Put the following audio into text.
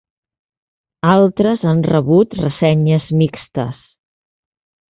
Altres han rebut ressenyes mixtes.